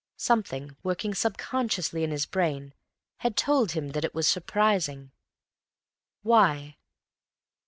Something working sub consciously in his brain had told him that it was surprising. Why?